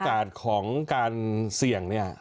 โอกาสของการเสี่ยงเนี่ย